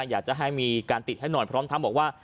อยากจะให้มีการติดให้หน่อยพร้อมทั้งบอกว่า